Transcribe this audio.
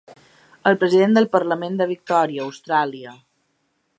El president del parlament de Victoria, Austràlia.